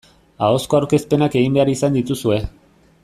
Ahozko aurkezpenak egin behar izan dituzue.